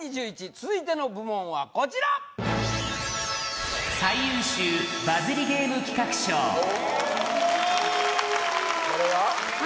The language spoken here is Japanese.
続いての部門はこちらおおこれは？